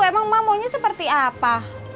emang ma maunya seperti apa